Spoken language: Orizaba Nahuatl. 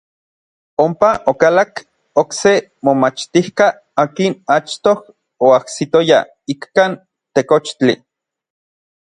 Ompa okalak n okse momachtijka akin achtoj oajsitoya ikkan tekochtli.